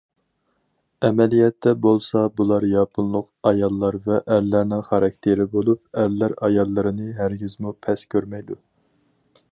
ئەمەلىيەتتە بولسا بۇلار ياپونلۇق ئاياللار ۋە ئەرلەرنىڭ خاراكتېرى بولۇپ، ئەرلەر ئاياللىرىنى ھەرگىزمۇ پەس كۆرمەيدۇ.